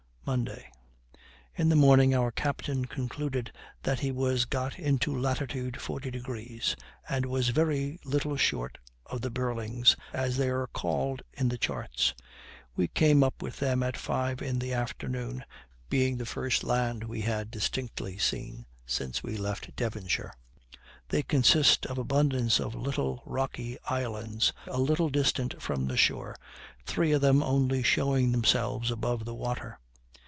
Monday. In the morning our captain concluded that he was got into lat. 40 degrees, and was very little short of the Burlings, as they are called in the charts. We came up with them at five in the afternoon, being the first land we had distinctly seen since we left Devonshire. They consist of abundance of little rocky islands, a little distant from the shore, three of them only showing themselves above the water.